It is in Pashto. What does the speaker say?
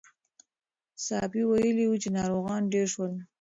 ساپی ویلي وو چې ناروغان ډېر شول.